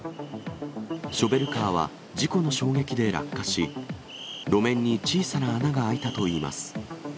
ショベルカーは事故の衝撃で落下し、路面に小さな穴が開いたといいます。